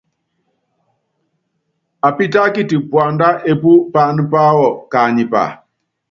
Apítákiti puandá epú paáná páwɔ kaánipa.